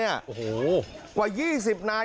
สวัสดีครับคุณผู้ชาย